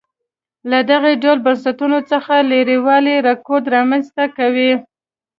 له دغه ډول بنسټونو څخه لرېوالی رکود رامنځته کوي.